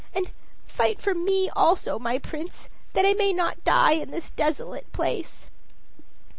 And fight for me also, my Prince, that I may not die in this desolate place."